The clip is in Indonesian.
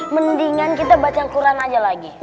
mendingan kita baca quran aja lagi